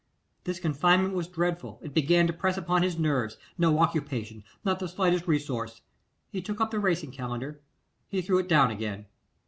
This confinement was dreadful; it began to press upon his nerves. No occupation, not the slightest resource. He took up the Racing Calendar, he threw it down again.